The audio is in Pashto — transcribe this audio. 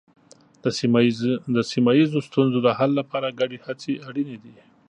د سیمه ییزو ستونزو د حل لپاره ګډې هڅې اړینې دي.